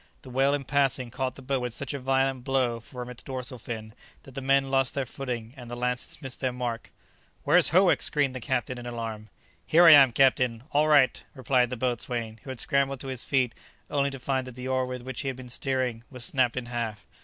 The whale in passing caught the boat with such a violent blow from its dorsal fin, that the men lost their footing and the lances missed their mark. "Where's Howick?" screamed the captain in alarm. "Here I am, captain; all right!" replied the boatswain, who had scrambled to his feet only to find that the oar with which he had been steering was snapped in half.